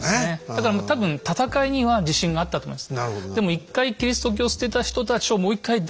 だから多分戦いには自信があったと思うんです。